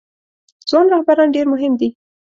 ځوان رهبران ډیر مهم دي